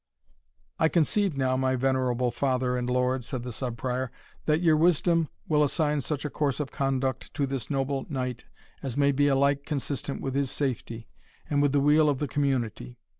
"I conceive now, my venerable father and lord," said the Sub Prior, "that your wisdom will assign such a course of conduct to this noble knight, as may be alike consistent with his safety, and with the weal of the community.